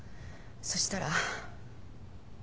そしたら。